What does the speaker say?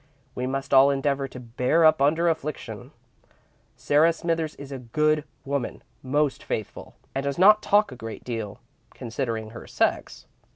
We must all endeavour to bear up under affliction. Sarah Smithers is a good woman, most faithful, and does not talk a great deal, considering her sex.